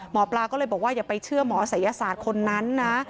หมอปลาก็เลยบอกว่าอย่าไปเชื่อหมอศัยศาสตร์คนนั้นนะ